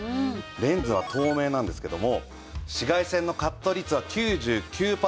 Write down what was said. レンズは透明なんですけども紫外線のカット率は９９パーセント以上。